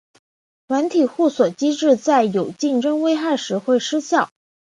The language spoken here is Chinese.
软体互锁机制在有竞争危害时会失效。